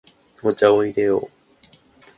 お茶を入れよう。